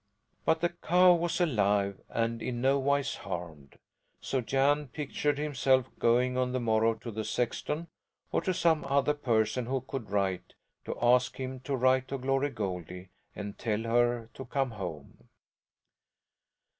But the cow was alive and in nowise harmed. So Jan pictured himself going on the morrow to the sexton, or to some other person who could write, to ask him to write to Glory Goldie and tell her to come home.